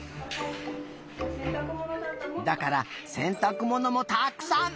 だからせんたくものもたくさん。